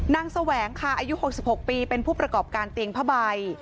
แสวงค่ะอายุ๖๖ปีเป็นผู้ประกอบการเตียงผ้าใบ